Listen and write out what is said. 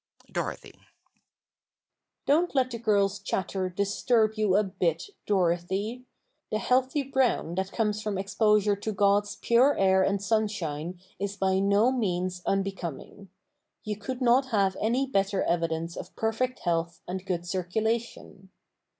"Dorothy." Don't let the girls' chatter disturb you a bit, Dorothy. The healthy brown that comes from exposure to God's pure air and sunshine is by no means unbecoming. You could not have any better evidence of perfect health and good circulation.